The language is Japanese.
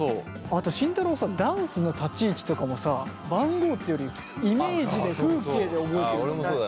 あと慎太郎ダンスの立ち位置とかもさ番号っていうよりイメージで風景で覚えてるもん。